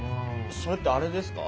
それってあれですか？